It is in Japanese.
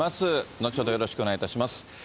後ほどよろしくお願いいたします。